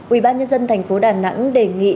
ubnd tp đà nẵng đề nghị